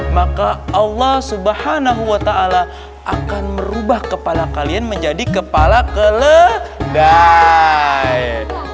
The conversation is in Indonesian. maka allah swt akan merubah kepala kalian menjadi kepala keledai